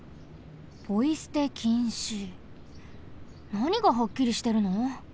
なにがはっきりしてるの？